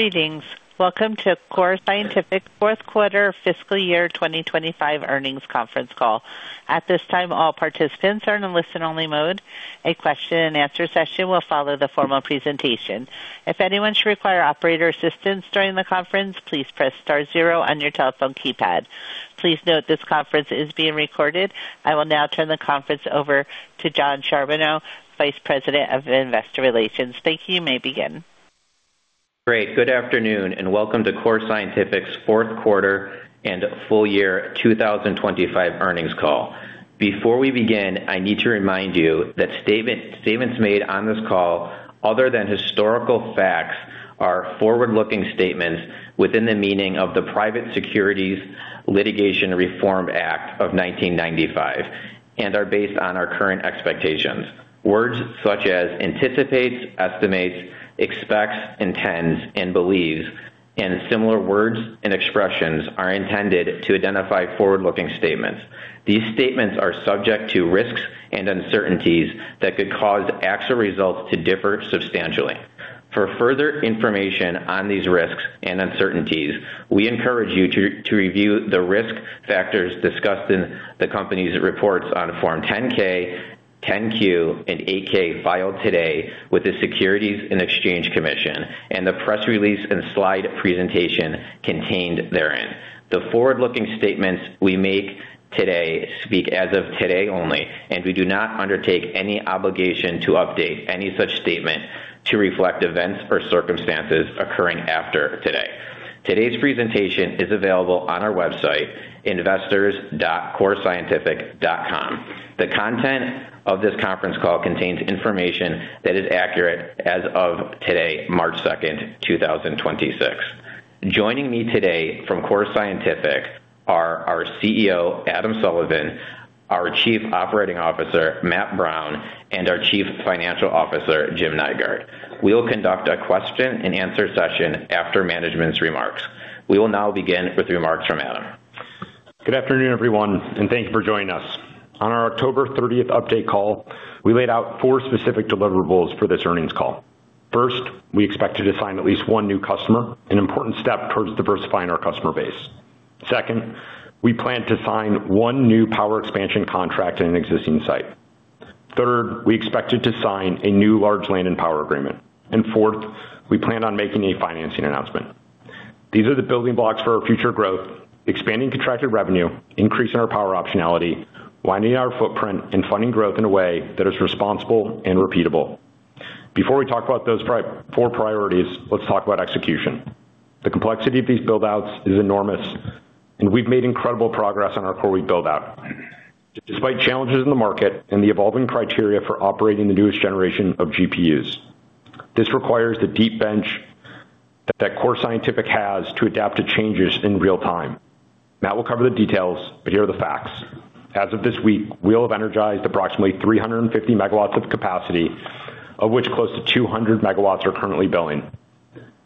Greetings. Welcome to Core Scientific Q4 fiscal year 2025 earnings conference call. At this time, all participants are in a listen-only mode. A question and answer session will follow the formal presentation. If anyone should require operator assistance during the conference, please press star zero on your telephone keypad. Please note this conference is being recorded. I will now turn the conference over to Jon Charbonneau, Vice President of Investor Relations. Thank you. You may begin. Great. Good afternoon. Welcome to Core Scientific's Q4 and full year 2025 earnings call. Before we begin, I need to remind you that statements made on this call other than historical facts, are forward-looking statements within the meaning of the Private Securities Litigation Reform Act of 1995 and are based on our current expectations. Words such as anticipates, estimates, expects, intends and believes, similar words and expressions are intended to identify forward-looking statements. These statements are subject to risks and uncertainties that could cause actual results to differ substantially. For further information on these risks and uncertainties, we encourage you to review the risk factors discussed in the company's reports on Form 10-K, 10-Q, and 8-K filed today with the Securities and Exchange Commission, the press release and slide presentation contained therein. The forward-looking statements we make today speak as of today only, and we do not undertake any obligation to update any such statement to reflect events or circumstances occurring after today. Today's presentation is available on our website, investors.corescientific.com. The content of this conference call contains information that is accurate as of today, March 2, 2026. Joining me today from Core Scientific are our CEO, Adam Sullivan, our Chief Operating Officer, Matt Brown, and our Chief Financial Officer, Jim Nygaard. We will conduct a question and answer session after management's remarks. We will now begin with remarks from Adam. Good afternoon, everyone. Thank you for joining us. On our October 30th update call, we laid out 4 specific deliverables for this earnings call. First, we expect to sign at least one new customer, an important step towards diversifying our customer base. Second, we plan to sign one new power expansion contract in an existing site. Third, we expected to sign a new large land and power agreement. Fourth, we plan on making a financing announcement. These are the building blocks for our future growth, expanding contracted revenue, increasing our power optionality, widening our footprint, and funding growth in a way that is responsible and repeatable. Before we talk about those 4 priorities, let's talk about execution. The complexity of these build-outs is enormous, and we've made incredible progress on our Quarry build-out. Despite challenges in the market and the evolving criteria for operating the newest generation of GPUs. This requires the deep bench that Core Scientific has to adapt to changes in real time. Matt will cover the details, here are the facts. As of this week, we'll have energized approximately 350 MW of capacity, of which close to 200 MW are currently billing.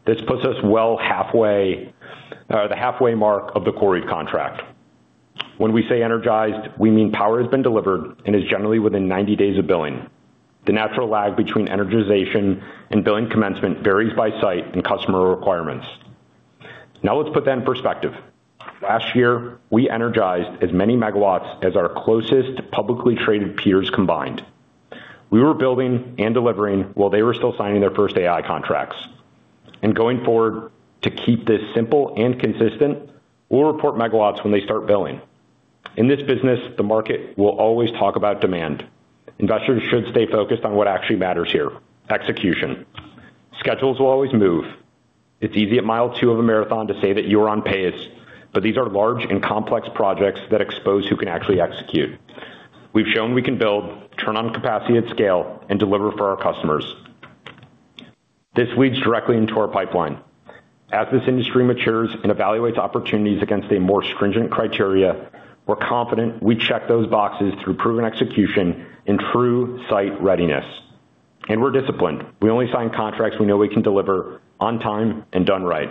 This puts us well halfway, the halfway mark of the Quarry contract. When we say energized, we mean power has been delivered and is generally within 90 days of billing. The natural lag between energization and billing commencement varies by site and customer requirements. Let's put that in perspective. Last year, we energized as many MW as our closest publicly traded peers combined. We were building and delivering while they were still signing their first AI contracts. Going forward, to keep this simple and consistent, we'll report MW when they start billing. In this business, the market will always talk about demand. Investors should stay focused on what actually matters here, execution. Schedules will always move. It's easy at mile two of a marathon to say that you are on pace, but these are large and complex projects that expose who can actually execute. We've shown we can build, turn on capacity at scale, and deliver for our customers. This leads directly into our pipeline. As this industry matures and evaluates opportunities against a more stringent criteria, we're confident we check those boxes through proven execution and true site readiness. We're disciplined. We only sign contracts we know we can deliver on time and done right.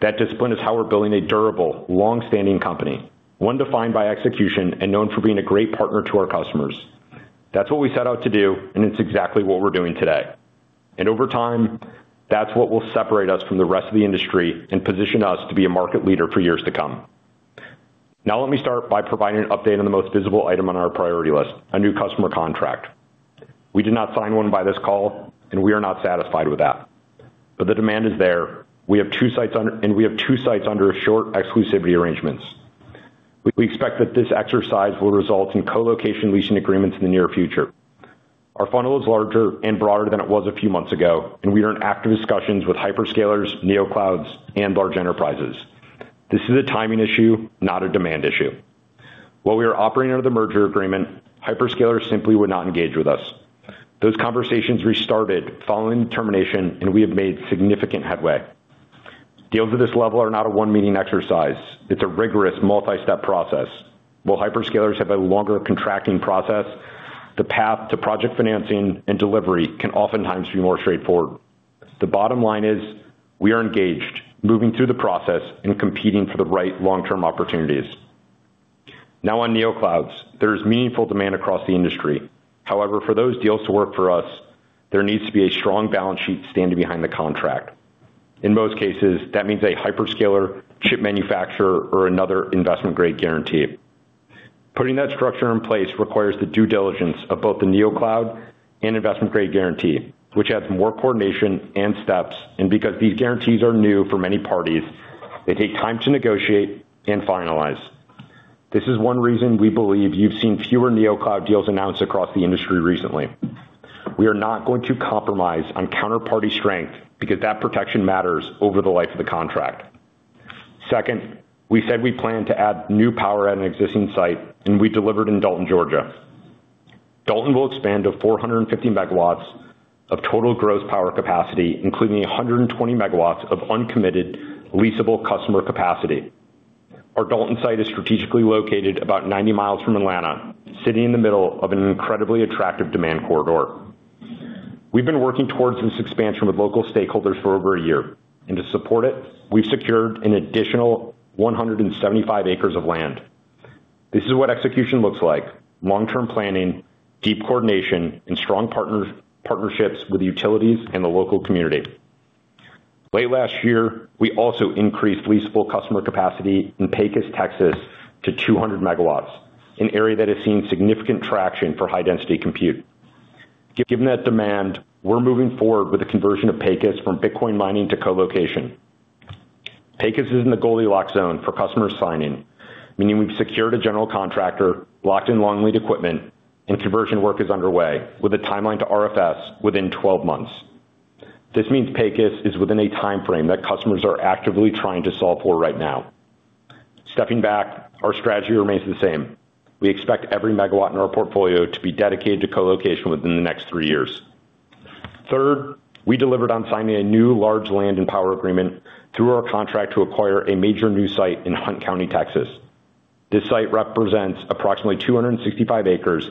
That discipline is how we're building a durable, long-standing company, one defined by execution and known for being a great partner to our customers. That's what we set out to do, and it's exactly what we're doing today. Over time, that's what will separate us from the rest of the industry and position us to be a market leader for years to come. Now let me start by providing an update on the most visible item on our priority list, a new customer contract. We did not sign one by this call, and we are not satisfied with that. The demand is there. We have two sites under short exclusivity arrangements. We expect that this exercise will result in colocation leasing agreements in the near future. Our funnel is larger and broader than it was a few months ago, and we are in active discussions with hyperscalers, NeoClouds, and large enterprises. This is a timing issue, not a demand issue. While we are operating under the merger agreement, hyperscalers simply would not engage with us. Those conversations restarted following termination, and we have made significant headway. Deals at this level are not a one-meeting exercise. It's a rigorous multi-step process. While hyperscalers have a longer contracting process, the path to project financing and delivery can oftentimes be more straightforward. The bottom line is we are engaged, moving through the process, and competing for the right long-term opportunities. Now on NeoClouds, there's meaningful demand across the industry. However, for those deals to work for us, there needs to be a strong balance sheet standing behind the contract. In most cases, that means a hyperscaler, chip manufacturer, or another investment-grade guarantee. Putting that structure in place requires the due diligence of both the Neocloud and investment-grade guarantee, which adds more coordination and steps. Because these guarantees are new for many parties, they take time to negotiate and finalize. This is one reason we believe you've seen fewer Neocloud deals announced across the industry recently. We are not going to compromise on counterparty strength because that protection matters over the life of the contract. Second, we said we plan to add new power at an existing site. We delivered in Dalton, Georgia. Dalton will expand to 450 MW of total gross power capacity, including 120 MW of uncommitted leasable customer capacity. Our Dalton site is strategically located about 90 miles from Atlanta, sitting in the middle of an incredibly attractive demand corridor. We've been working towards this expansion with local stakeholders for over a year, and to support it, we've secured an additional 175 acres of land. This is what execution looks like: long-term planning, deep coordination, and strong partnerships with utilities and the local community. Late last year, we also increased leasable customer capacity in Pecos, Texas, to 200 MW, an area that has seen significant traction for high-density compute. Given that demand, we're moving forward with the conversion of Pecos from Bitcoin mining to colocation. Pecos is in the Goldilocks zone for customer signing, meaning we've secured a general contractor, locked in long lead equipment, and conversion work is underway with a timeline to RFS within 12 months. This means Pecos is within a timeframe that customers are actively trying to solve for right now. Stepping back, our strategy remains the same. We expect every megawatt in our portfolio to be dedicated to colocation within the next three years. Third, we delivered on signing a new large land and power agreement through our contract to acquire a major new site in Hunt County, Texas. This site represents approximately 265 acres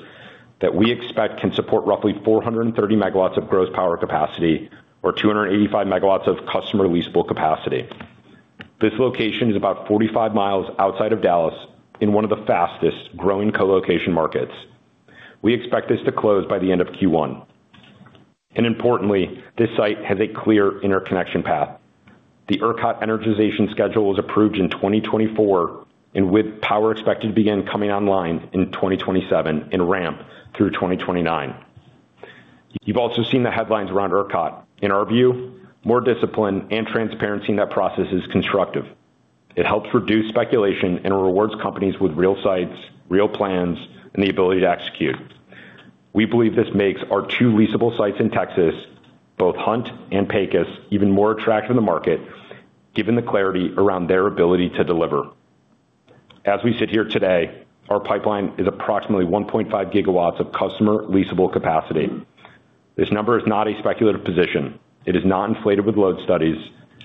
that we expect can support roughly 430 MW of gross power capacity or 285 MW of customer leasable capacity. This location is about 45 miles outside of Dallas in one of the fastest-growing colocation markets. We expect this to close by the end of Q1. Importantly, this site has a clear interconnection path. The ERCOT energization schedule was approved in 2024. With power expected to begin coming online in 2027 and ramp through 2029. You've also seen the headlines around ERCOT. In our view, more discipline and transparency in that process is constructive. It helps reduce speculation and rewards companies with real sites, real plans, and the ability to execute. We believe this makes our two leasable sites in Texas, both Hunt and Pecos, even more attractive in the market, given the clarity around their ability to deliver. As we sit here today, our pipeline is approximately 1.5 GW of customer leasable capacity. This number is not a speculative position. It is not inflated with load studies.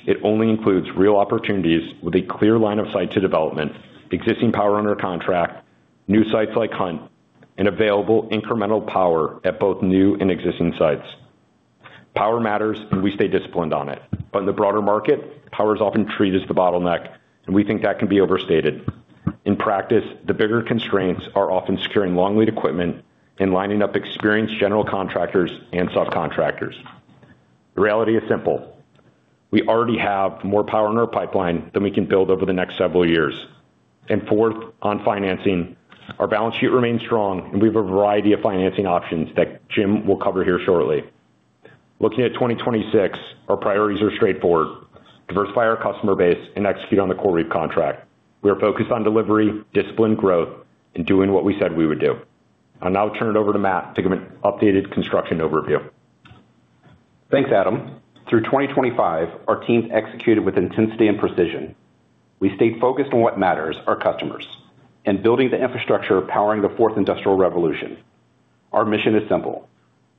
It only includes real opportunities with a clear line of sight to development, existing power under contract, new sites like Hunt, and available incremental power at both new and existing sites. Power matters, and we stay disciplined on it. In the broader market, power is often treated as the bottleneck, and we think that can be overstated. In practice, the bigger constraints are often securing long lead equipment and lining up experienced general contractors and subcontractors. The reality is simple. We already have more power in our pipeline than we can build over the next several years. Fourth, on financing, our balance sheet remains strong, and we have a variety of financing options that Jim will cover here shortly. Looking at 2026, our priorities are straightforward: diversify our customer base and execute on the CoreWeave contract. We are focused on delivery, disciplined growth, and doing what we said we would do. I'll now turn it over to Matt to give an updated construction overview. Thanks, Adam. Through 2025, our teams executed with intensity and precision. We stayed focused on what matters, our customers, and building the infrastructure powering the fourth industrial revolution. Our mission is simple: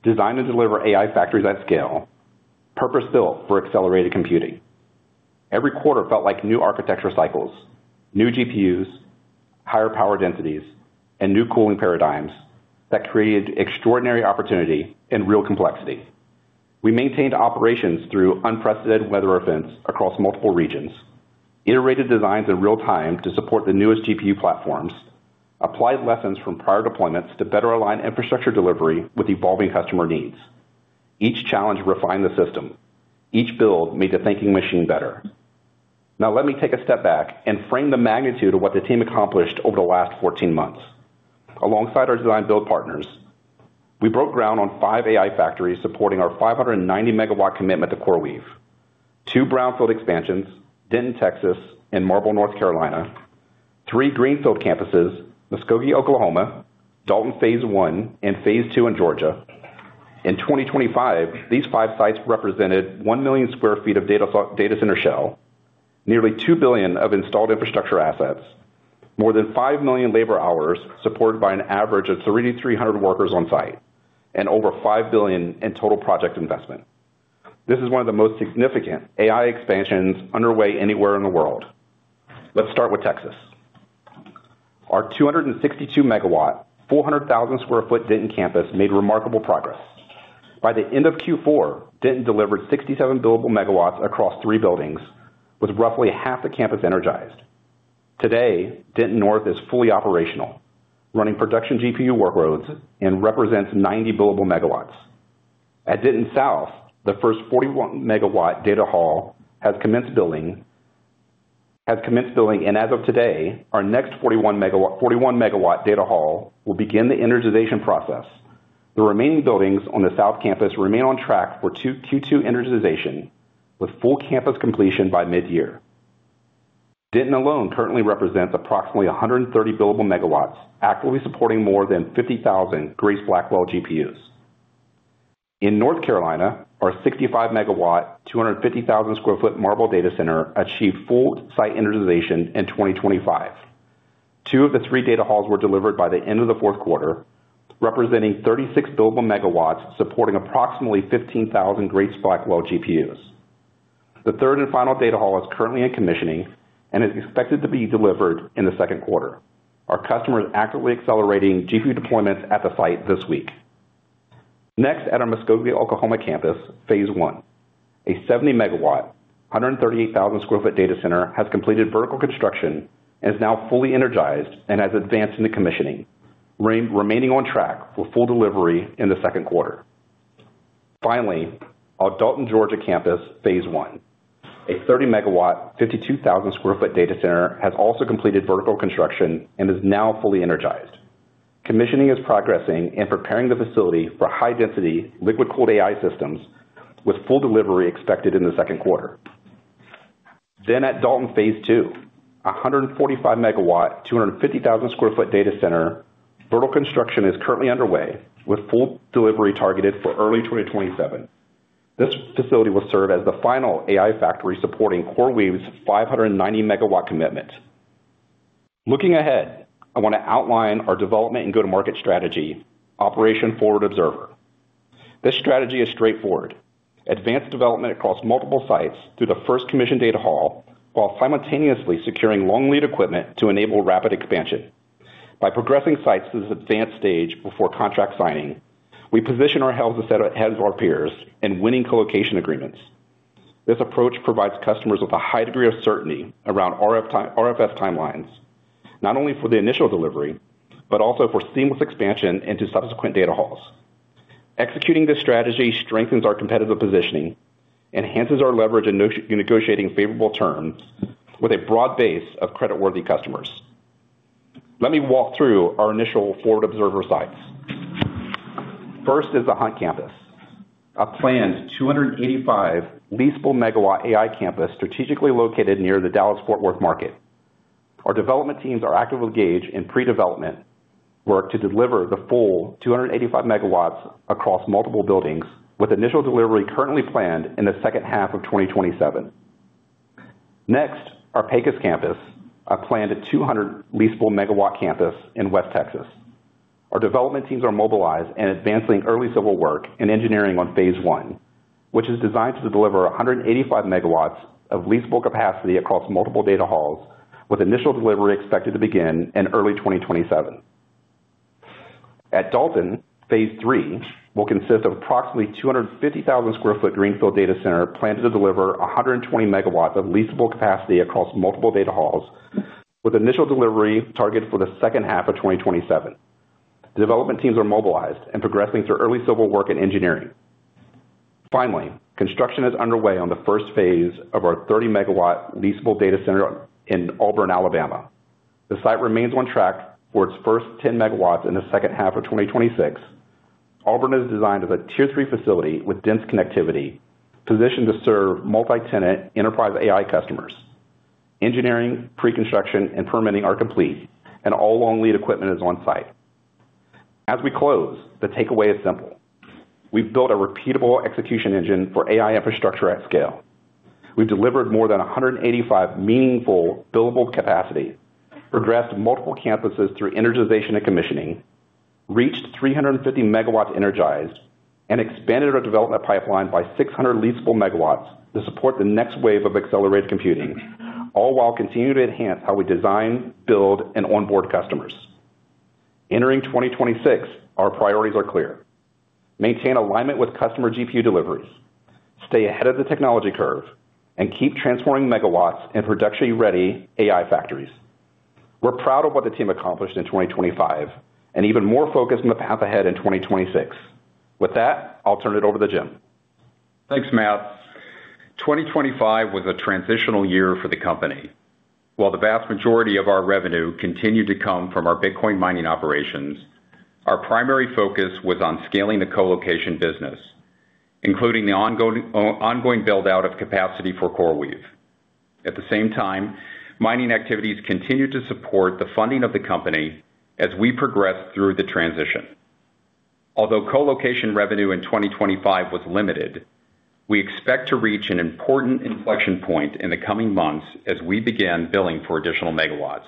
design and deliver AI factories at scale, purpose-built for accelerated computing. Every quarter felt like new architecture cycles, new GPUs, higher power densities, and new cooling paradigms that created extraordinary opportunity and real complexity. We maintained operations through unprecedented weather events across multiple regions, iterated designs in real time to support the newest GPU platforms, applied lessons from prior deployments to better align infrastructure delivery with evolving customer needs. Each challenge refined the system. Each build made the thinking machine better. Let me take a step back and frame the magnitude of what the team accomplished over the last 14 months. Alongside our design build partners, we broke ground on 5 AI factories supporting our 590 MW commitment to CoreWeave. 2 brownfield expansions, Denton, Texas, and Marble, North Carolina. 3 greenfield campuses, Muskogee, Oklahoma, Dalton, phase one and phase two in Georgia. In 2025, these 5 sites represented 1 million sq ft of data center shell, nearly $2 billion of installed infrastructure assets, more than 5 million labor hours, supported by an average of 3,300 workers on site, and over $5 billion in total project investment. This is one of the most significant AI expansions underway anywhere in the world. Let's start with Texas. Our 262 MW, 400,000 sq ft Denton campus made remarkable progress. By the end of Q4, Denton delivered 67 billable MW across 3 buildings, with roughly half the campus energized. Today, Denton North is fully operational, running production GPU workloads and represents 90 billable MW. At Denton South, the first 41 MW data hall has commenced building. As of today, our next 41 MW data hall will begin the energization process. The remaining buildings on the South Campus remain on track for Q2 energization, with full Campus completion by mid-year. Denton alone currently represents approximately 130 billable MW, actively supporting more than 50,000 Grace Blackwell GPUs. In North Carolina, our 65 MW, 250,000 sq ft Marble data center achieved full site energization in 2025. Two of the three data halls were delivered by the end of the Q4, representing 36 billable MW supporting approximately 15,000 Grace Blackwell GPUs. The third and final data hall is currently in commissioning and is expected to be delivered in the Q2. Our customer is actively accelerating GPU deployments at the site this week. At our Muskogee, Oklahoma campus, phase one, a 70 MW, 138,000 sq ft data center has completed vertical construction and is now fully energized and has advanced into commissioning, remaining on track for full delivery in the Q2. Our Dalton, Georgia campus, phase one, a 30 MW, 52,000 sq ft data center has also completed vertical construction and is now fully energized. Commissioning is progressing and preparing the facility for high density liquid-cooled AI systems with full delivery expected in the Q2. At Dalton phase two, 145 MW, 250,000 sq ft data center, vertical construction is currently underway with full delivery targeted for early 2027. This facility will serve as the final AI factory supporting CoreWeave's 590 MW commitment. Looking ahead, I want to outline our development and go-to-market strategy, Operation Forward Observer. This strategy is straightforward. Advanced development across multiple sites through the first commission data hall, while simultaneously securing long lead equipment to enable rapid expansion. By progressing sites to this advanced stage before contract signing, we position our heads as head of our peers in winning colocation agreements. This approach provides customers with a high degree of certainty around RFS timelines, not only for the initial delivery, but also for seamless expansion into subsequent data halls. Executing this strategy strengthens our competitive positioning, enhances our leverage in negotiating favorable terms with a broad base of credit-worthy customers. Let me walk through our initial Forward Observer sites. First is the Hunt Campus, a planned 285 leasable megawatt AI campus strategically located near the Dallas-Fort Worth market. Our development teams are actively engaged in pre-development work to deliver the full 285 MW across multiple buildings, with initial delivery currently planned in the second half of 2027. Our Pecos campus, a planned 200 leasable megawatt campus in West Texas. Our development teams are mobilized and advancing early civil work and engineering on phase 1, which is designed to deliver 185 MW of leasable capacity across multiple data halls, with initial delivery expected to begin in early 2027. At Dalton, phase three will consist of approximately 250,000 sq ft greenfield data center planned to deliver 120 MW of leasable capacity across multiple data halls, with initial delivery targeted for the second half of 2027. Development teams are mobilized and progressing through early civil work and engineering. Finally, construction is underway on the first phase of our 30 megawatt leasable data center in Auburn, Alabama. The site remains on track for its first 10 MW in the second half of 2026. Auburn is designed as a tier three facility with dense connectivity, positioned to serve multi-tenant enterprise AI customers. Engineering, pre-construction, and permitting are complete, and all long lead equipment is on-site. As we close, the takeaway is simple. We've built a repeatable execution engine for AI infrastructure at scale. We've delivered more than 185 meaningful billable capacity, progressed multiple campuses through energization and commissioning, reached 350 MW energized, and expanded our development pipeline by 600 leasable MW to support the next wave of accelerated computing, all while continuing to enhance how we design, build, and onboard customers. Entering 2026, our priorities are clear: maintain alignment with customer GPU deliveries, stay ahead of the technology curve, and keep transforming MW in production-ready AI factories. We're proud of what the team accomplished in 2025, and even more focused on the path ahead in 2026. With that, I'll turn it over to Jim. Thanks, Matt. 2025 was a transitional year for the company. While the vast majority of our revenue continued to come from our Bitcoin mining operations, our primary focus was on scaling the colocation business, including the ongoing build-out of capacity for CoreWeave. At the same time, mining activities continued to support the funding of the company as we progressed through the transition. Although colocation revenue in 2025 was limited, we expect to reach an important inflection point in the coming months as we begin billing for additional MW,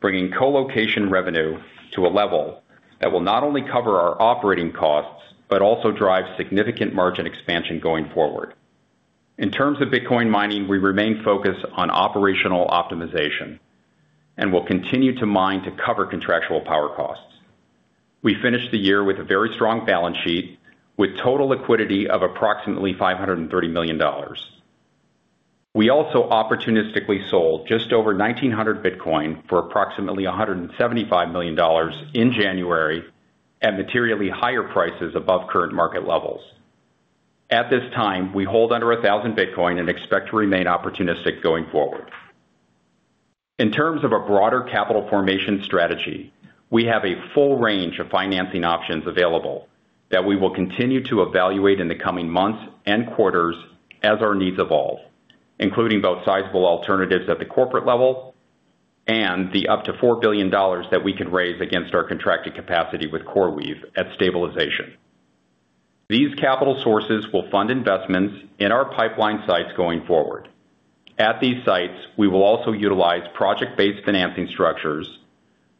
bringing colocation revenue to a level that will not only cover our operating costs, but also drive significant margin expansion going forward. In terms of Bitcoin mining, we remain focused on operational optimization and will continue to mine to cover contractual power costs. We finished the year with a very strong balance sheet with total liquidity of approximately $530 million. We also opportunistically sold just over 1,900 BTC for approximately $175 million in January at materially higher prices above current market levels. At this time, we hold under 1,000 BTC and expect to remain opportunistic going forward. In terms of a broader capital formation strategy, we have a full range of financing options available that we will continue to evaluate in the coming months and quarters as our needs evolve, including both sizable alternatives at the corporate level and the up to $4 billion that we could raise against our contracted capacity with CoreWeave at stabilization. These capital sources will fund investments in our pipeline sites going forward. At these sites, we will also utilize project-based financing structures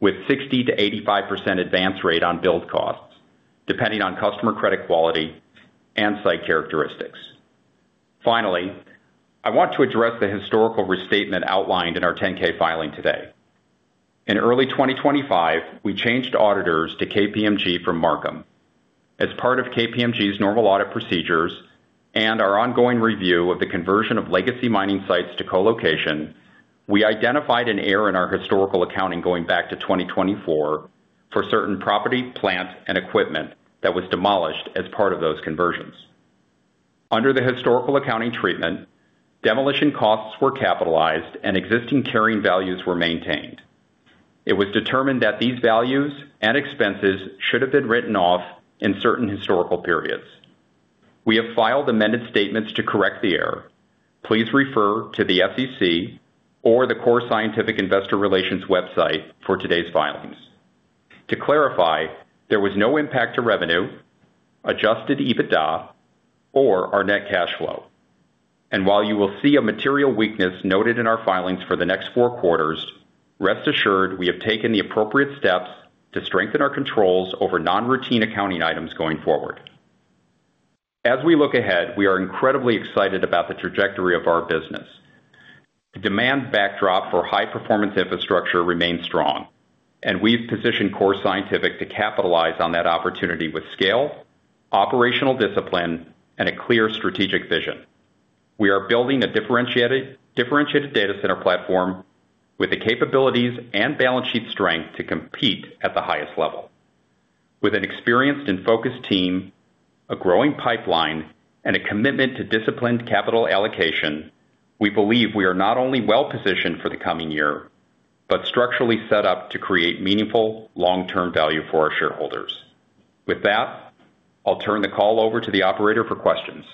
with 60%-85% advance rate on build costs, depending on customer credit quality and site characteristics. I want to address the historical restatement outlined in our 10-K filing today. In early 2025, we changed auditors to KPMG from Marcum. As part of KPMG's normal audit procedures and our ongoing review of the conversion of legacy mining sites to co-location, we identified an error in our historical accounting going back to 2024 for certain property, plant, and equipment that was demolished as part of those conversions. Under the historical accounting treatment, demolition costs were capitalized and existing carrying values were maintained. It was determined that these values and expenses should have been written off in certain historical periods. We have filed amended statements to correct the error. Please refer to the SEC or the Core Scientific Investor Relations website for today's filings. To clarify, there was no impact to revenue, adjusted EBITDA or our net cash flow. While you will see a material weakness noted in our filings for the next four quarters, rest assured we have taken the appropriate steps to strengthen our controls over non-routine accounting items going forward. As we look ahead, we are incredibly excited about the trajectory of our business. The demand backdrop for high performance infrastructure remains strong, and we've positioned Core Scientific to capitalize on that opportunity with scale, operational discipline, and a clear strategic vision. We are building a differentiated data center platform with the capabilities and balance sheet strength to compete at the highest level. With an experienced and focused team, a growing pipeline, and a commitment to disciplined capital allocation, we believe we are not only well-positioned for the coming year, but structurally set up to create meaningful long-term value for our shareholders. With that, I'll turn the call over to the operator for questions.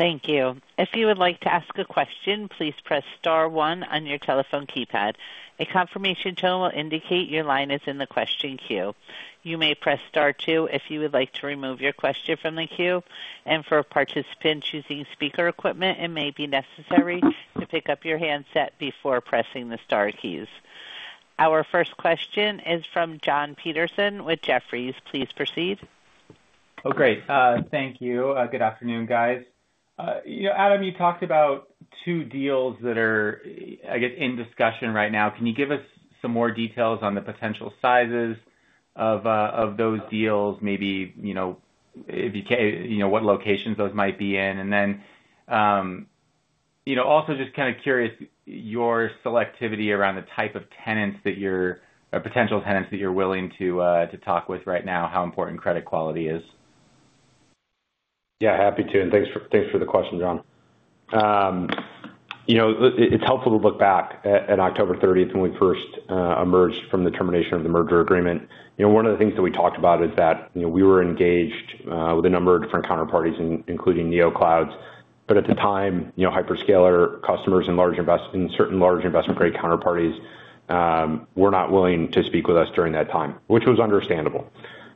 Thank you. If you would like to ask a question, please press star one on your telephone keypad. A confirmation tone will indicate your line is in the question queue. You may press star two if you would like to remove your question from the queue. For a participant choosing speaker equipment, it may be necessary to pick up your handset before pressing the star keys. Our first question is from Jon Petersen with Jefferies. Please proceed. Oh, great. Thank you. Good afternoon, guys. You know, Adam, you talked about two deals that are, I guess in discussion right now. Can you give us some more details on the potential sizes of those deals? Maybe, you know, what locations those might be in? Then, you know, also just kind of curious, your selectivity around the type of tenants that you're or potential tenants that you're willing to talk with right now, how important credit quality is. Yeah, happy to, and thanks for the question, John. You know, it's helpful to look back at October 30, 2025 when we first emerged from the termination of the merger agreement. You know, one of the things that we talked about is that, you know, we were engaged with a number of different counterparties, including NeoClouds. At the time, you know, hyperscaler customers and large and certain large investment grade counterparties were not willing to speak with us during that time, which was understandable.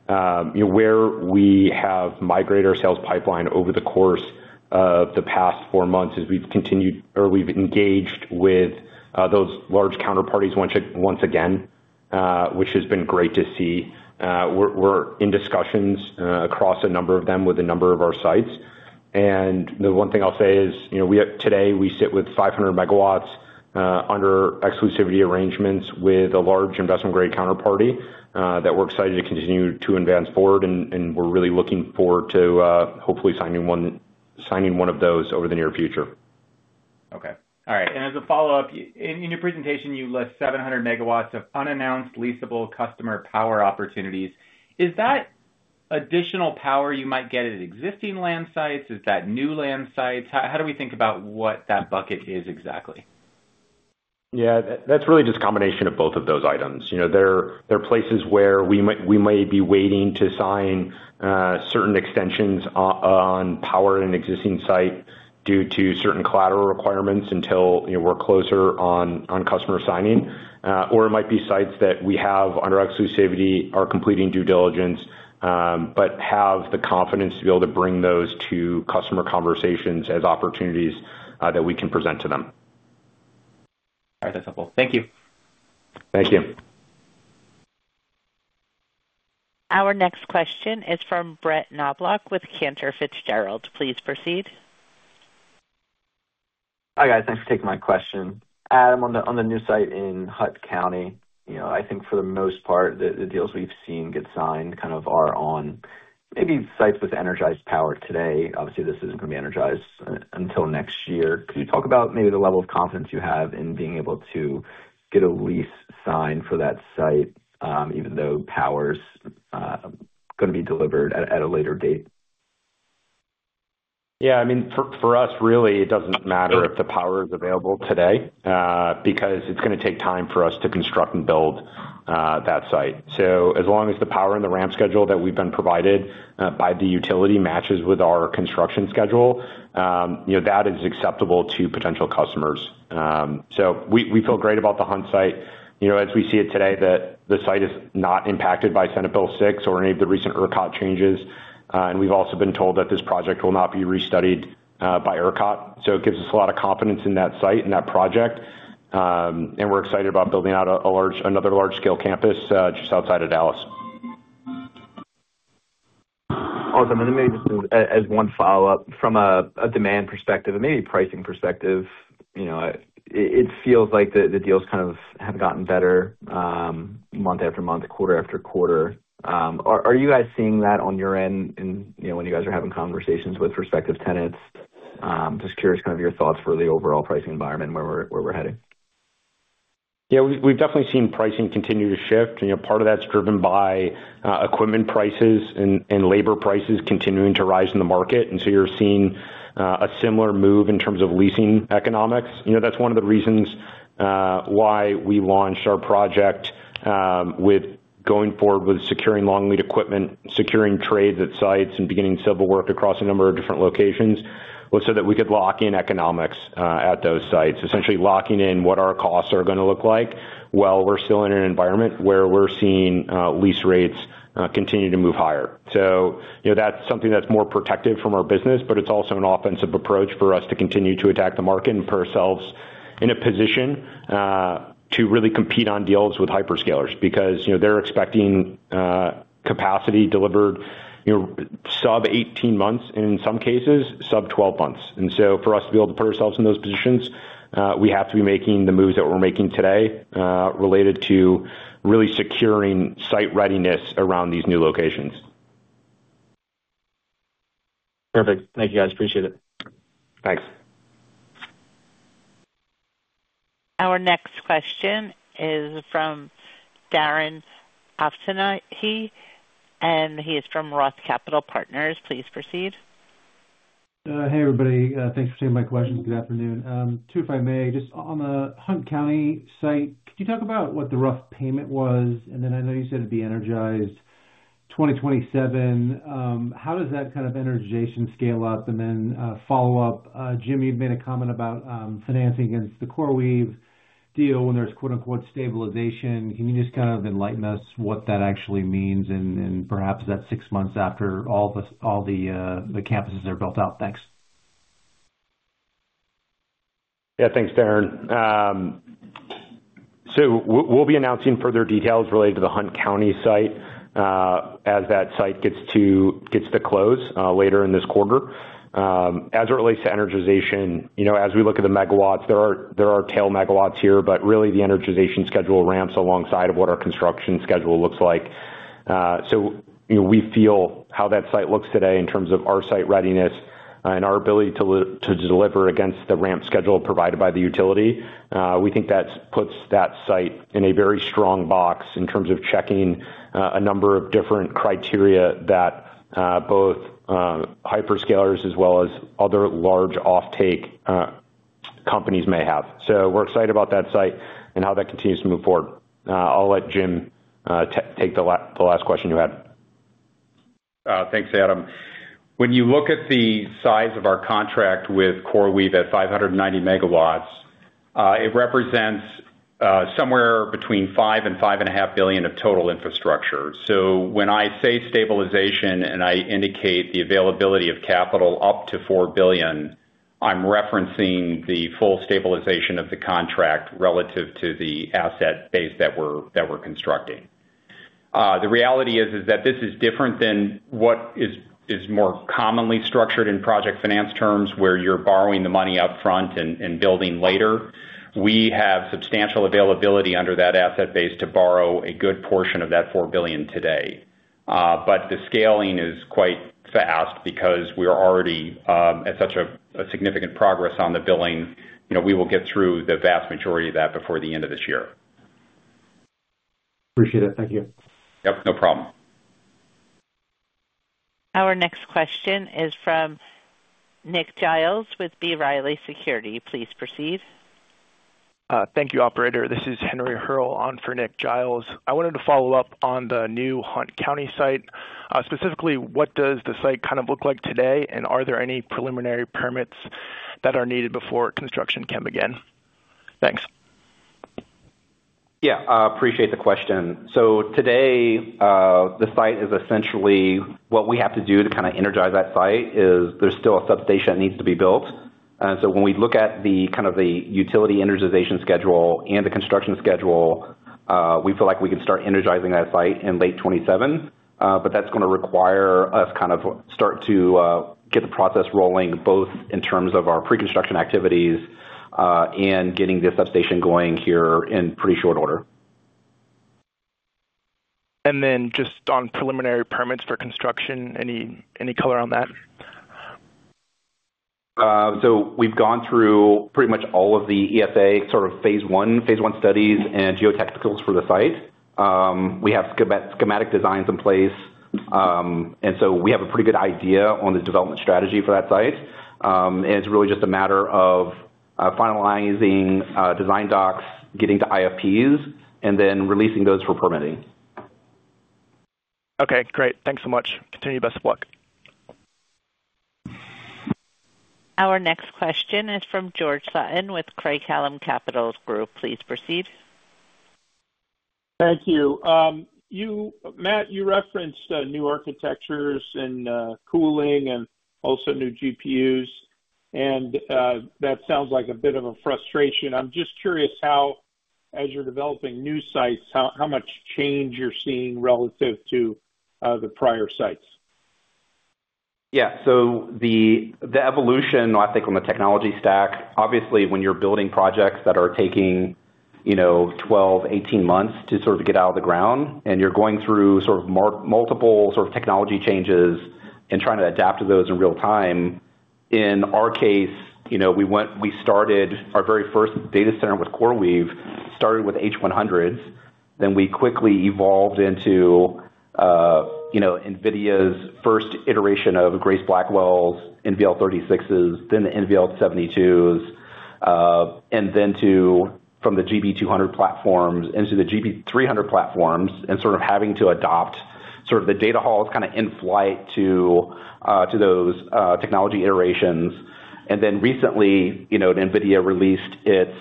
You know, where we have migrated our sales pipeline over the course of the past 4 months as we've continued or we've engaged with those large counterparties once again, which has been great to see. We're in discussions across a number of them with a number of our sites. The one thing I'll say is, you know, today we sit with 500 MW under exclusivity arrangements with a large investment grade counterparty that we're excited to continue to advance forward, and we're really looking forward to, hopefully signing one of those over the near future. Okay. All right. As a follow-up, in your presentation you list 700 MW of unannounced leasable customer power opportunities. Is that additional power you might get at existing land sites? Is that new land sites? How do we think about what that bucket is exactly? Yeah, that's really just a combination of both of those items. You know, there are places where we might be waiting to sign certain extensions on power in an existing site due to certain collateral requirements until, you know, we're closer on customer signing. It might be sites that we have under exclusivity are completing due diligence, but have the confidence to be able to bring those to customer conversations as opportunities that we can present to them. All right. That's helpful. Thank you. Thank you. Our next question is from Brett Knoblauch with Cantor Fitzgerald. Please proceed. Hi, guys. Thanks for taking my question. Adam, on the new site in Hunt County. You know, I think for the most part, the deals we've seen get signed kind of are on maybe sites with energized power today. Obviously, this isn't gonna be energized until next year. Could you talk about maybe the level of confidence you have in being able to get a lease signed for that site, even though power's gonna be delivered at a later date? I mean, for us, really, it doesn't matter if the power is available today, because it's gonna take time for us to construct and build that site. As long as the power and the ramp schedule that we've been provided by the utility matches with our construction schedule, you know, that is acceptable to potential customers. We feel great about the Hunt site. You know, as we see it today, the site is not impacted by Senate Bill 6 or any of the recent ERCOT changes. We've also been told that this project will not be re-studied by ERCOT. It gives us a lot of confidence in that site and that project. We're excited about building out another large scale campus just outside of Dallas. Awesome. Maybe just as one follow-up. From a demand perspective and maybe pricing perspective, you know, it feels like the deals kind of have gotten better, month after month, quarter after quarter. Are you guys seeing that on your end, you know, when you guys are having conversations with prospective tenants? Just curious kind of your thoughts for the overall pricing environment and where we're heading. We've definitely seen pricing continue to shift. You know, part of that's driven by equipment prices and labor prices continuing to rise in the market. You're seeing a similar move in terms of leasing economics. You know, that's one of the reasons why we launched our project with going forward with securing long lead equipment, securing trades at sites, and beginning civil work across a number of different locations, was so that we could lock in economics at those sites. Essentially locking in what our costs are gonna look like while we're still in an environment where we're seeing lease rates continue to move higher. You know, that's something that's more protective from our business, but it's also an offensive approach for us to continue to attack the market and put ourselves in a position to really compete on deals with hyperscalers. Because, you know, they're expecting capacity delivered, you know, sub 18 months, in some cases sub 12 months. For us to be able to put ourselves in those positions, we have to be making the moves that we're making today, related to really securing site readiness around these new locations. Perfect. Thank you, guys. Appreciate it. Thanks. Our next question is from Darren Aftahi, and he is from Roth Capital Partners. Please proceed. Hey, everybody. Thanks for taking my questions. Good afternoon. Two if I may. Just on the Hunt County site, could you talk about what the rough payment was? I know you said it'd be energized 2027. How does that kind of energization scale up? Follow-up. Jim, you've made a comment about financing against the CoreWeave deal when there's quote-unquote, "stabilization." Can you just kind of enlighten us what that actually means? Perhaps that's 6 months after all the campuses are built out. Thanks. Yeah, thanks, Darren. We'll be announcing further details related to the Hunt County site as that site gets to close later in this quarter. As it relates to energization, you know, as we look at the MW, there are tail MW here. Really the energization schedule ramps alongside of what our construction schedule looks like. You know, we feel how that site looks today in terms of our site readiness and our ability to deliver against the ramp schedule provided by the utility, we think that puts that site in a very strong box in terms of checking a number of different criteria that both hyperscalers as well as other large offtake companies may have. We're excited about that site and how that continues to move forward. I'll let Jim take the last question you had. Thanks, Adam. When you look at the size of our contract with CoreWeave at 590 MW, it represents, somewhere between $5 billion-$5.5 billion of total infrastructure. When I say stabilization, and I indicate the availability of capital up to $4 billion, I'm referencing the full stabilization of the contract relative to the asset base that we're constructing. The reality is that this is different than what is more commonly structured in project finance terms, where you're borrowing the money upfront and building later. We have substantial availability under that asset base to borrow a good portion of that $4 billion today. The scaling is quite fast because we are already at such a significant progress on the billing. You know, we will get through the vast majority of that before the end of this year. Appreciate it. Thank you. Yep, no problem. Our next question is from Nick Giles with B. Riley Securities. Please proceed. Thank you, Operator. This is Henry Hurr on for Nick Giles. I wanted to follow up on the new Hunt County site. Specifically, what does the site kind of look like today, and are there any preliminary permits that are needed before construction can begin? Thanks. Appreciate the question. Today, the site is essentially what we have to do to kind of energize that site is there's still a substation that needs to be built. When we look at the kind of the utility energization schedule and the construction schedule, we feel like we can start energizing that site in late 2027. That's going to require us kind of start to get the process rolling, both in terms of our pre-construction activities, and getting this substation going here in pretty short order. Just on preliminary permits for construction. Any color on that? We've gone through pretty much all of the EFA sort of phase one studies and geotechnicals for the site. We have schematic designs in place. We have a pretty good idea on the development strategy for that site. It's really just a matter of finalizing design docs, getting to IFP and then releasing those for permitting. Okay, great. Thanks so much. Continue your best of luck. Our next question is from George Sutton with Craig-Hallum Capital Group. Please proceed. Thank you. Matt, you referenced new architectures and cooling and also new GPUs, and that sounds like a bit of a frustration. I'm just curious how as you're developing new sites, how much change you're seeing relative to the prior sites? The, the evolution, I think, on the technology stack, obviously when you're building projects that are taking, you know, 12 to 18 months to sort of get out of the ground and you're going through sort of multiple sort of technology changes and trying to adapt to those in real time, in our case, you know, we started our very first data center with CoreWeave, started with H100s, then we quickly evolved into, you know, NVIDIA's first iteration of Grace Blackwell's NVL36s, then the NVL72s, and then to from the GB200 platforms into the GB300 platforms and sort of having to adopt sort of the data halls kind of in-flight to those technology iterations. Recently, you know, NVIDIA released its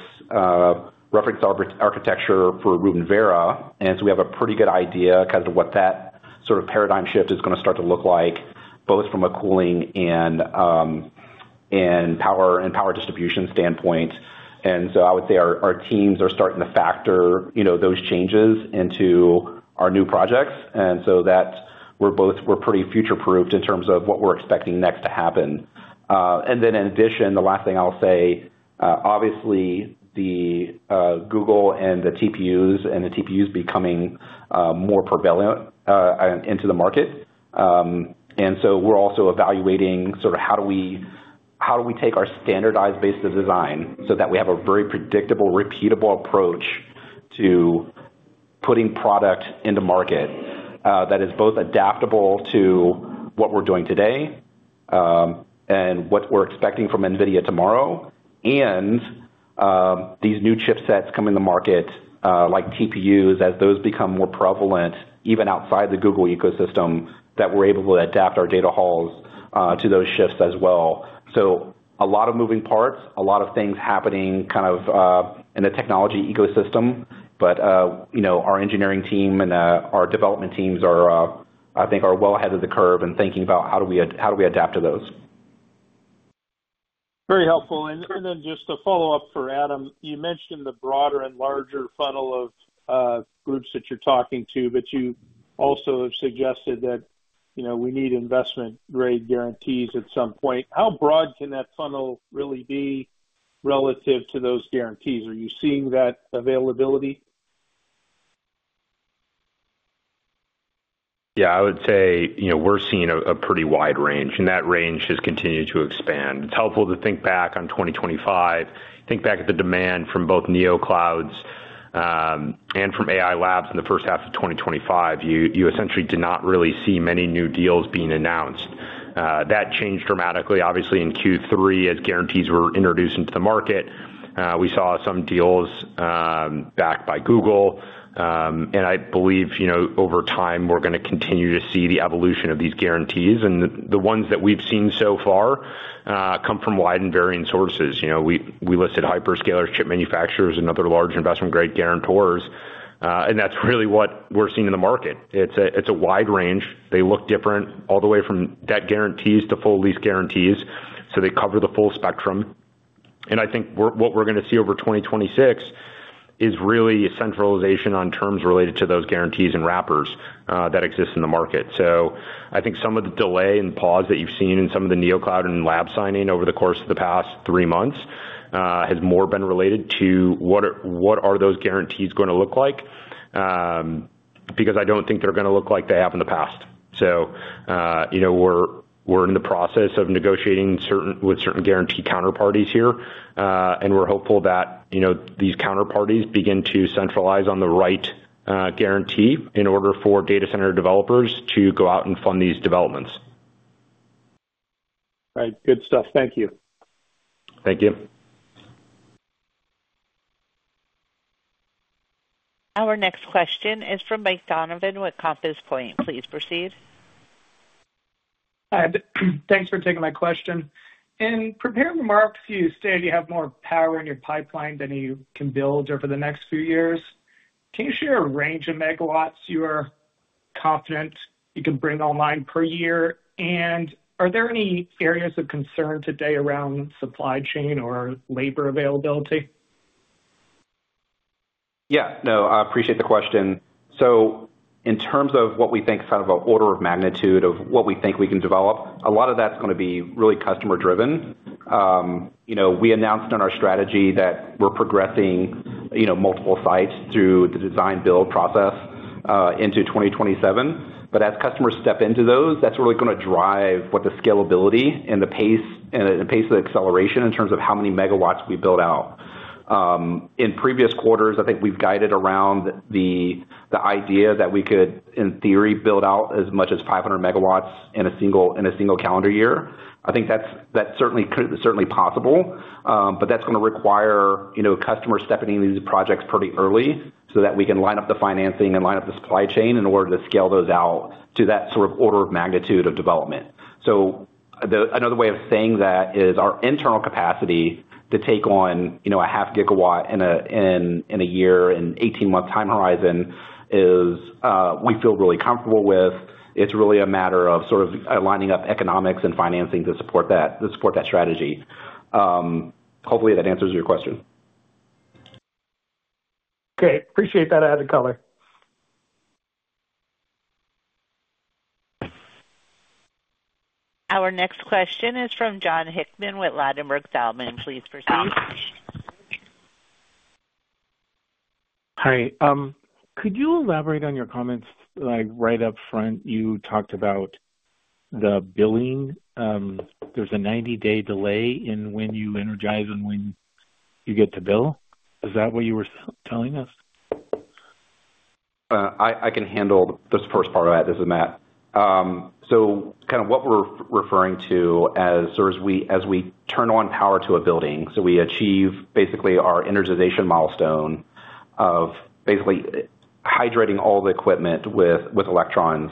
reference architecture for Rubin Vera. We have a pretty good idea kind of what that sort of paradigm shift is going to start to look like, both from a cooling and power and power distribution standpoint. I would say our teams are starting to factor, you know, those changes into our new projects. That's we're pretty future-proofed in terms of what we're expecting next to happen. In addition, the last thing I'll say, obviously the Google and the TPUs and the TPUs becoming more prevalent into the market. We're also evaluating sort of how do we take our standardized base of design so that we have a very predictable, repeatable approach to putting product into market, that is both adaptable to what we're doing today, and what we're expecting from NVIDIA tomorrow. These new chipsets come in the market, like TPUs, as those become more prevalent, even outside the Google ecosystem, that we're able to adapt our data halls to those shifts as well. A lot of moving parts, a lot of things happening kind of in the technology ecosystem. You know, our engineering team and our development teams are, I think are well ahead of the curve and thinking about how do we adapt to those. Very helpful. Just a follow-up for Adam. You mentioned the broader and larger funnel of groups that you're talking to, but you also have suggested that, you know, we need investment grade guarantees at some point. How broad can that funnel really be relative to those guarantees? Are you seeing that availability? Yeah, I would say, you know, we're seeing a pretty wide range, and that range has continued to expand. It's helpful to think back on 2025. Think back at the demand from both NeoClouds and from AI labs in the first half of 2025. You essentially did not really see many new deals being announced. That changed dramatically, obviously in Q3 as guarantees were introduced into the market. We saw some deals backed by Google. I believe, you know, over time we're going to continue to see the evolution of these guarantees. The ones that we've seen so far come from wide and varying sources. You know, we listed hyperscalers, chip manufacturers and other large investment grade guarantors, and that's really what we're seeing in the market. It's a wide range. They look different all the way from debt guarantees to full lease guarantees, so they cover the full spectrum. I think what we're going to see over 2026 is really a centralization on terms related to those guarantees and wrappers that exist in the market. I think some of the delay and pause that you've seen in some of the Neocloud and lab signing over the course of the past three months has more been related to what are those guarantees going to look like? Because I don't think they're going to look like they have in the past. You know, we're in the process of negotiating with certain guarantee counterparties here. We're hopeful that, you know, these counterparties begin to centralize on the right guarantee in order for data center developers to go out and fund these developments. Right. Good stuff. Thank you. Thank you. Our next question is from Michael Donovan with Compass Point. Please proceed. Hi. Thanks for taking my question. In preparing remarks, you stated you have more power in your pipeline than you can build over the next few years. Can you share a range of MW you are? Confident you can bring online per year. Are there any areas of concern today around supply chain or labor availability? No, I appreciate the question. In terms of what we think is kind of an order of magnitude of what we think we can develop, a lot of that's gonna be really customer driven. you know, we announced on our strategy that we're progressing, you know, multiple sites through the design build process into 2027. As customers step into those, that's really gonna drive what the scalability and the pace of acceleration in terms of how many MW we build out. In previous quarters, I think we've guided around the idea that we could, in theory, build out as much as 500 MW in a single calendar year. I think that's, that certainly possible, but that's gonna require, you know, customers stepping into these projects pretty early so that we can line up the financing and line up the supply chain in order to scale those out to that sort of order of magnitude of development. Another way of saying that is our internal capacity to take on, you know, a 0.5 gigawatt in a year, in 18-month time horizon is we feel really comfortable with. It's really a matter of sort of aligning up economics and financing to support that, to support that strategy. Hopefully that answers your question. Great. Appreciate that added color. Our next question is from Jon Hickman with Ladenburg Thalmann. Please proceed. Hi. Could you elaborate on your comments, like, right up front, you talked about the billing. There's a 90-day delay in when you energize and when you get the bill. Is that what you were telling us? I can handle this first part of that. This is Matt. Kind of what we're referring to as we turn on power to a building, so we achieve basically our energization milestone of basically hydrating all the equipment with electrons.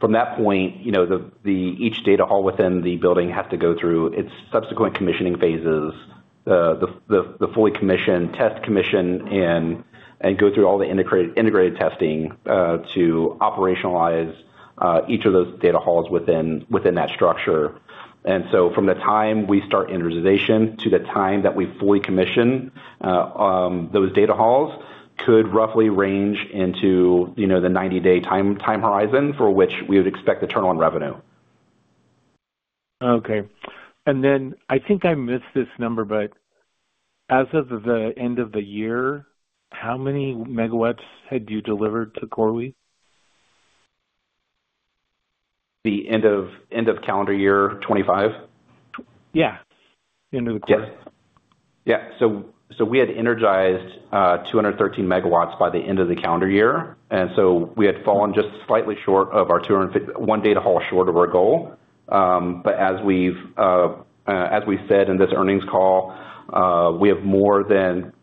From that point, you know, each data hall within the building has to go through its subsequent commissioning phases, the fully commission, test commission, and go through all the integrated testing to operationalize each of those data halls within that structure. From the time we start energization to the time that we fully commission, those data halls could roughly range into, you know, the 90-day time horizon for which we would expect to turn on revenue. Okay. Then I think I missed this number, but as of the end of the year, how many MW had you delivered to CoreWeave? The end of calendar year 2025? Yeah. End of the quarter. We had energized 213 MW by the end of the calendar year. We had fallen just slightly short of our 250. One data hall short of our goal. But as we've, as we said in this earnings call, we have more than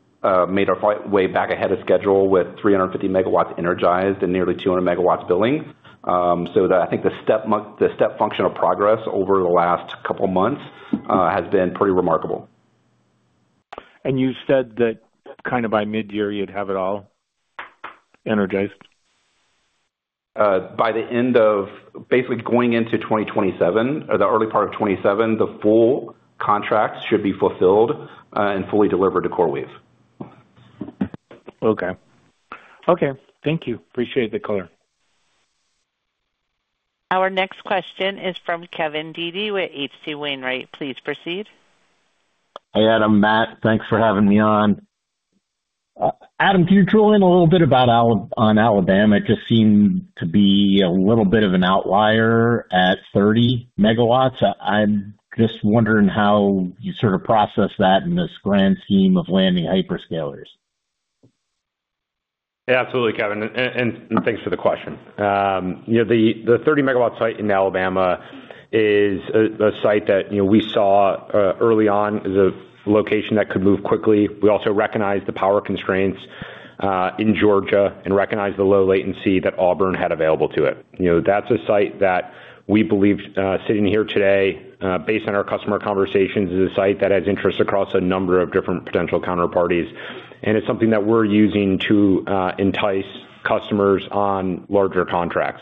made our fight way back ahead of schedule with 350 MW energized and nearly 200 MW billing. That I think the step function of progress over the last couple of months has been pretty remarkable. You said that kind of by mid-year you'd have it all energized? By the end of basically going into 2027 or the early part of 2027, the full contract should be fulfilled and fully delivered to CoreWeave. Okay. Okay. Thank you. Appreciate the color. Our next question is from Kevin Dede with H.C. Wainwright. Please proceed. Hey, Adam, Matt. Thanks for having me on. Adam, can you drill in a little bit about on Alabama? It just seemed to be a little bit of an outlier at 30 MW. I'm just wondering how you sort of process that in this grand scheme of landing hyperscalers. Yeah, absolutely, Kevin, and thanks for the question. You know, the 30 megawatt site in Alabama is a site that, you know, we saw early on as a location that could move quickly. We also recognized the power constraints in Georgia and recognized the low latency that Auburn had available to it. You know, that's a site that we believe sitting here today, based on our customer conversations, is a site that has interest across a number of different potential counterparties, and it's something that we're using to entice customers on larger contracts.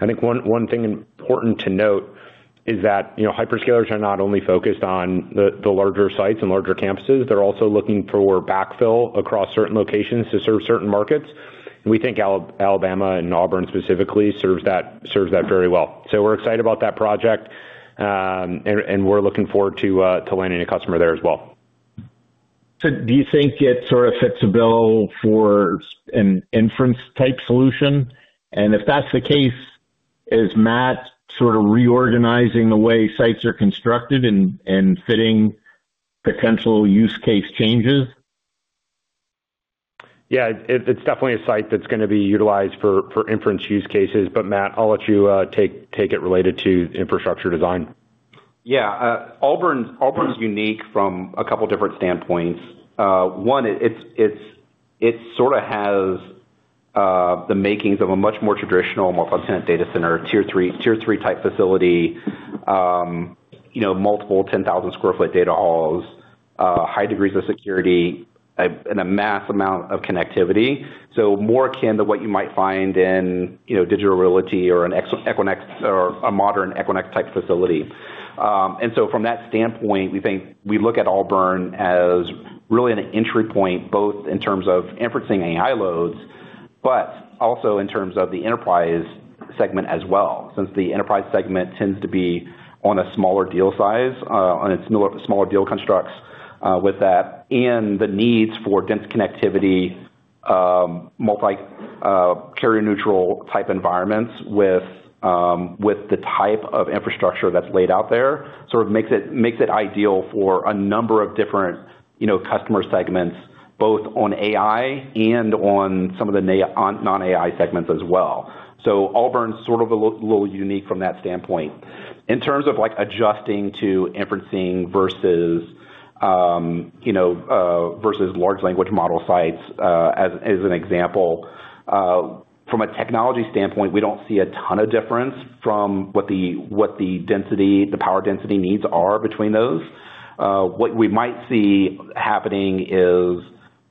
I think one thing important to note is that, you know, hyperscalers are not only focused on the larger sites and larger campuses, they're also looking for backfill across certain locations to serve certain markets. We think Alabama and Auburn specifically serves that very well. We're excited about that project, and we're looking forward to landing a customer there as well. Do you think it sort of fits a bill for an inference type solution? Is Matt sort of reorganizing the way sites are constructed and fitting potential use case changes? Yeah. It's definitely a site that's gonna be utilized for inference use cases. But Matt, I'll let you take it related to infrastructure design. Yeah. Auburn's unique from a couple different standpoints. One, it sorta has the makings of a much more traditional multi-tenant data center, tier three, tier three type facility, you know, multiple 10,000 sq ft data halls. High degrees of security and a mass amount of connectivity. More akin to what you might find in, you know, Digital Realty or an ex-Equinix or a modern Equinix type facility. From that standpoint, we think we look at Auburn as really an entry point, both in terms of inferencing AI loads, but also in terms of the enterprise segment as well. Since the enterprise segment tends to be on a smaller deal size, on its smaller deal constructs, with that and the needs for dense connectivity, multi carrier neutral type environments with the type of infrastructure that's laid out there sort of makes it, makes it ideal for a number of different, you know, customer segments, both on AI and on some of the non-AI segments as well. Auburn's sort of a little unique from that standpoint. In terms of like adjusting to inferencing versus, you know, versus large language model sites, as an example. From a technology standpoint, we don't see a ton of difference from what the density, the power density needs are between those. What we might see happening is,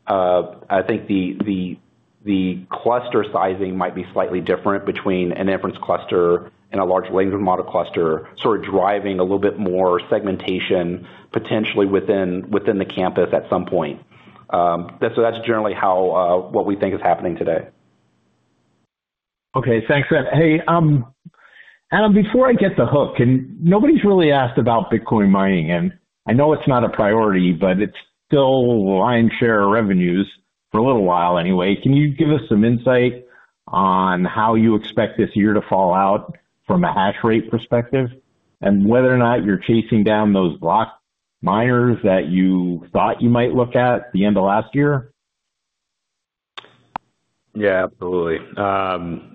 I think the cluster sizing might be slightly different between an inference cluster and a large language model cluster, sort of driving a little bit more segmentation potentially within the campus at some point. That's generally how what we think is happening today. Okay. Thanks. Hey, Adam, before I get the hook, and nobody's really asked about Bitcoin mining, and I know it's not a priority, but it's still lion's share of revenues for a little while anyway. Can you give us some insight on how you expect this year to fall out from a hash rate perspective and whether or not you're chasing down those block miners that you thought you might look at the end of last year? Absolutely.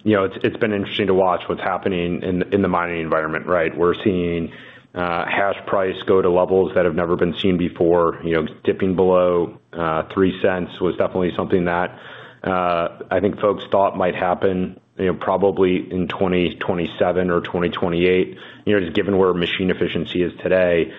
you know, it's been interesting to watch what's happening in the mining environment, right? We're seeing hash price go to levels that have never been seen before. You know, dipping below $0.03 was definitely something that I think folks thought might happen, you know, probably in 2027 or 2028, you know, just given where machine efficiency is today.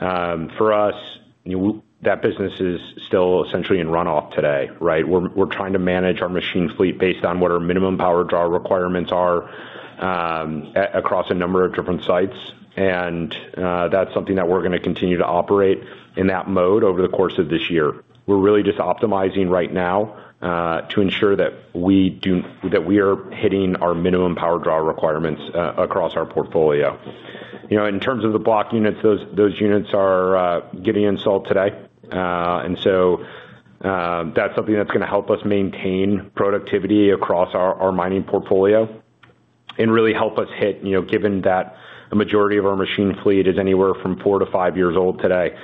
For us, you know, that business is still essentially in runoff today, right? We're, we're trying to manage our machine fleet based on what our minimum power draw requirements are across a number of different sites. That's something that we're gonna continue to operate in that mode over the course of this year. We're really just optimizing right now to ensure that we are hitting our minimum power draw requirements across our portfolio. You know, in terms of the block units, those units are getting installed today. That's something that's gonna help us maintain productivity across our mining portfolio and really help us hit, you know, given that a majority of our machine fleet is anywhere from four to five years old today,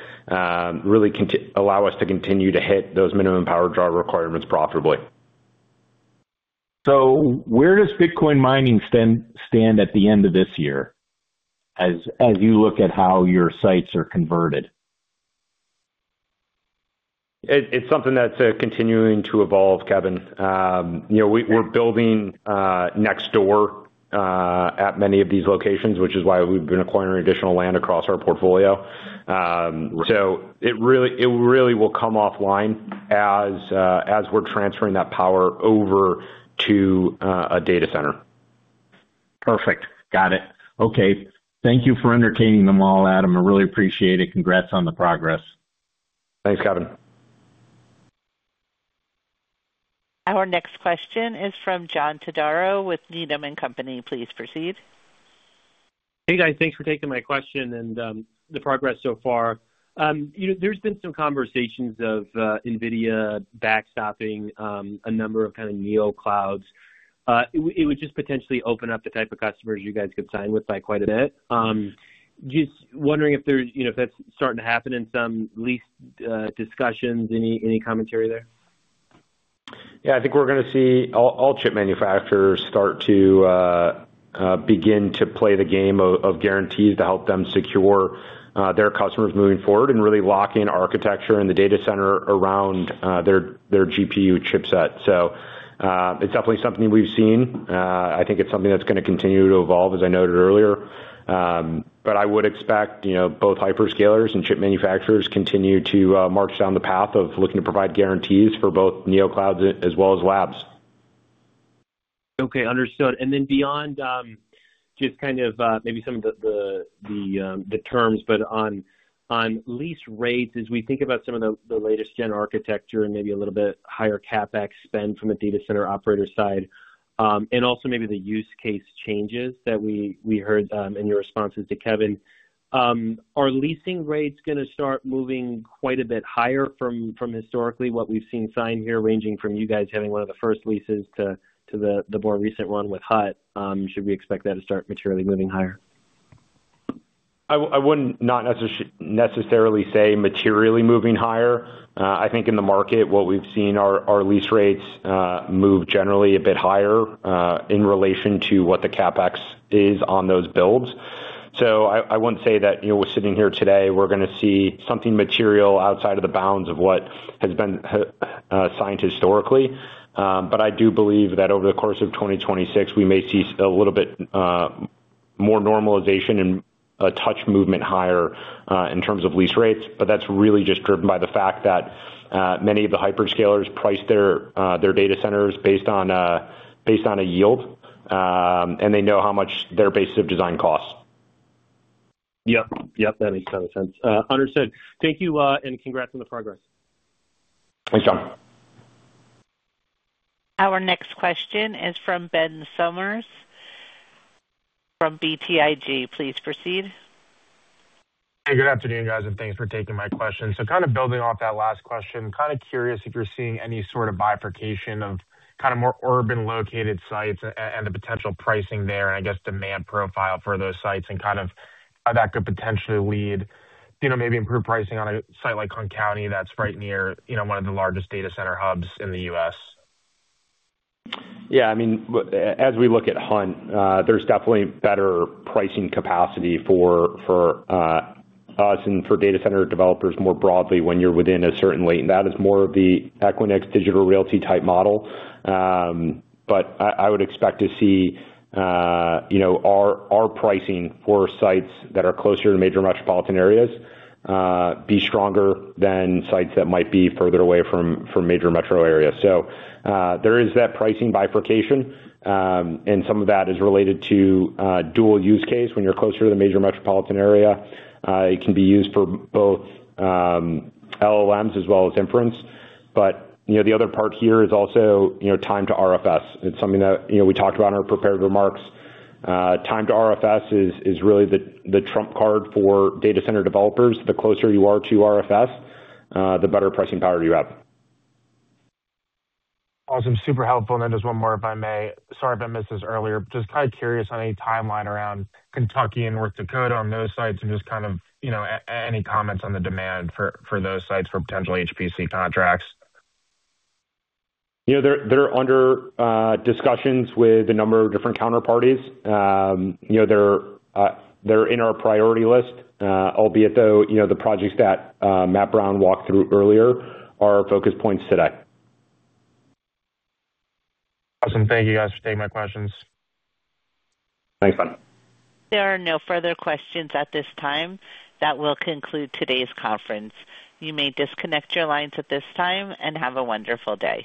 really allow us to continue to hit those minimum power draw requirements profitably. Where does Bitcoin mining stand at the end of this year as you look at how your sites are converted? It's something that's continuing to evolve, Kevin. You know, we're building next door at many of these locations, which is why we've been acquiring additional land across our portfolio. It really will come offline as we're transferring that power over to a data center. Perfect. Got it. Okay. Thank you for entertaining them all, Adam. I really appreciate it. Congrats on the progress. Thanks, Kevin. Our next question is from John Todaro with Needham and Company. Please proceed. Hey, guys. Thanks for taking my question and the progress so far. You know, there's been some conversations of NVIDIA backstopping a number of kind of NeoClouds. It would just potentially open up the type of customers you guys could sign with by quite a bit. Just wondering if there's, you know, if that's starting to happen in some lease discussions. Any, any commentary there? Yeah. I think we're gonna see all chip manufacturers start to begin to play the game of guarantees to help them secure their customers moving forward and really lock in architecture in the data center around their GPU chipset. It's definitely something we've seen. I think it's something that's gonna continue to evolve, as I noted earlier. But I would expect, you know, both hyperscalers and chip manufacturers continue to march down the path of looking to provide guarantees for both NeoClouds as well as labs. Okay. Understood. Beyond, just kind of, maybe some of the terms, but on lease rates, as we think about some of the latest gen architecture and maybe a little bit higher CapEx spend from a data center operator side, and also maybe the use case changes that we heard in your responses to Kevin, are leasing rates gonna start moving quite a bit higher from historically what we've seen signed here, ranging from you guys having one of the first leases to the more recent one with Hut? Should we expect that to start materially moving higher? I wouldn't necessarily say materially moving higher. I think in the market what we've seen are our lease rates move generally a bit higher in relation to what the CapEx is on those builds. I wouldn't say that, you know, we're sitting here today, we're gonna see something material outside of the bounds of what has been signed historically. I do believe that over the course of 2026, we may see a little bit more More normalization and a touch movement higher in terms of lease rates. That's really just driven by the fact that many of the hyperscalers price their data centers based on based on a yield, and they know how much their base of design costs. Yep. Yep, that makes total sense. Understood. Thank you, and congrats on the progress. Thanks, John. Our next question is from Ben Soffins from BTIG. Please proceed. Hey, good afternoon, guys, and thanks for taking my question. Kind of building off that last question, kind of curious if you're seeing any sort of bifurcation of kind of more urban located sites and the potential pricing there and I guess demand profile for those sites and kind of how that could potentially lead, you know, maybe improved pricing on a site like Hunt County that's right near, you know, one of the largest data center hubs in the U.S. Yeah, I mean, as we look at Hut 8, there's definitely better pricing capacity for us and for data center developers more broadly when you're within a certain lane. That is more of the Equinix Digital Realty type model. I would expect to see, you know, our pricing for sites that are closer to major metropolitan areas, be stronger than sites that might be further away from major metro areas. There is that pricing bifurcation, and some of that is related to dual use case. When you're closer to the major metropolitan area, it can be used for both LLMs as well as inference. You know, the other part here is also, you know, time to RFS. It's something that, you know, we talked about in our prepared remarks. Time to RFS is really the trump card for data center developers. The closer you are to RFS, the better pricing power you have. Awesome. Super helpful. Just one more, if I may. Sorry if I missed this earlier. Just kind of curious on any timeline around Kentucky and North Dakota on those sites and just kind of, you know, any comments on the demand for those sites for potential HPC contracts. Yeah, they're under discussions with a number of different counterparties. You know, they're in our priority list, albeit though, you know, the projects that Matt Brown walked through earlier are our focus points today. Awesome. Thank you guys for taking my questions. Thanks, Ben. There are no further questions at this time. That will conclude today's conference. You may disconnect your lines at this time, and have a wonderful day.